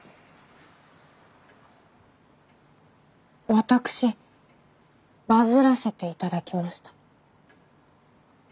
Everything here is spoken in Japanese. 私バズらせて頂きました。